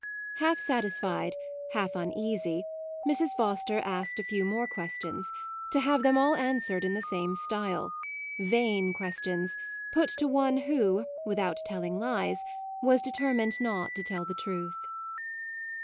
MAUDE Half satisfied, half uneasy, Mrs. Foster asked a few more questions, to have them all answered in the same style : vain questions, put to one who, without telling lies, was determined not to tell the truth.